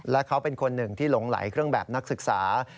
และเขาเป็นคนหนึ่งที่หลงไหลเครื่องแบบนักศึกษา